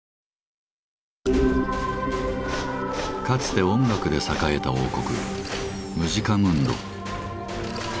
かつて音楽で栄えた王国「ムジカムンド」。